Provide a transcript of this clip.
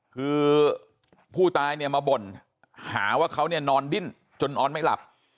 คือผู้ตายเนี่ยมาบ่นหาว่าเขาเนี่ยนอนดิ้นจนนอนไม่หลับ